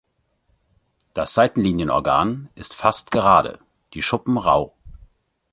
Das Seitenlinienorgan ist fast gerade, die Schuppen rau.